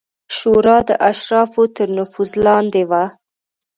شورا د اشرافو تر نفوذ لاندې وه